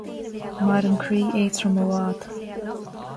Maireann croí éadrom i bhfad